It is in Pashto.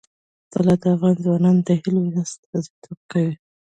طلا د افغان ځوانانو د هیلو استازیتوب کوي.